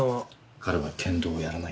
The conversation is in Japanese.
彼は剣道をやらない。